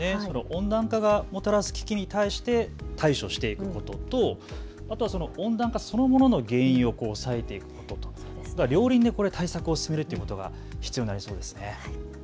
温暖化がもたらす危機に対して対処していくこととあとは温暖化そのものの原因を抑えていくことと両輪で対策を進めるということが必要になりそうですね。